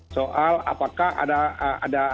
soal apakah ada